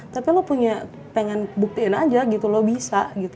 tapi lo punya pengen buktiin aja gitu lo bisa gitu